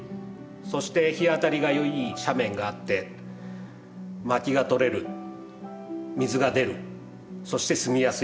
そして日当たりがいい斜面があってまきが取れる水が出るそして住みやすい。